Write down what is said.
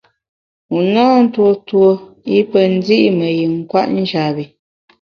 Wu na ntuo tuo i pe ndi’ me yin kwet njap bi.